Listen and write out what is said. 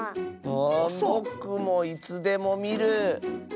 あぼくもいつでもみる。